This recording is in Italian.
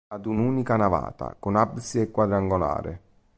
È ad un'unica navata, con abside quadrangolare.